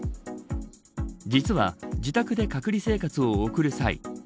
実は、自宅で隔離生活を送る際